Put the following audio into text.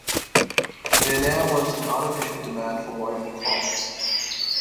There now was an artificial demand for woven cloth.